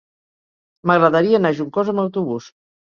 M'agradaria anar a Juncosa amb autobús.